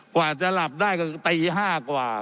กว่าจะหลับได้ก็ตี๕กว่า